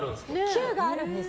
級があるんです。